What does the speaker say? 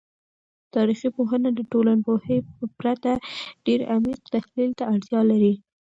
تاریخي پوهنه د ټولنپوهنې په پرتله ډیر عمیق تحلیل ته اړتیا لري.